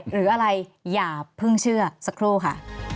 หรืออะไรอย่าเพิ่งเชื่อสักครู่ค่ะ